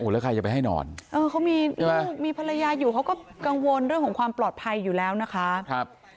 แล้วใครจะไปให้นอนเขามีลูกมีภรรยาอยู่เขาก็กังวลเรื่องของความปลอดภัยอยู่แล้วนะคะ